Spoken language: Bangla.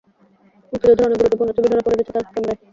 মুক্তিযুদ্ধের অনেক গুরুত্বপূর্ণ ছবি ধরা পড়েছে তার ক্যামেরায়।